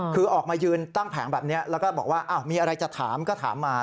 คือออกมายืนตั้งแผงแบบนี้แล้วก็บอกว่ามีอะไรจะถามก็ถามมา